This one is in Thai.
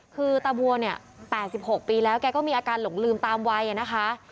คือตาบัวเนี่ย๘๖ปีแล้วแกก็มีอาการหลงลืมตามวัยนะคะ